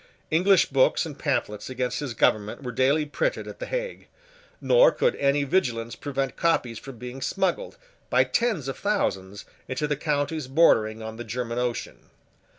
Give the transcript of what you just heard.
English books and pamphlets against his government were daily printed at the Hague; nor could any vigilance prevent copies from being smuggled, by tens of thousands, into the counties bordering on the German Ocean.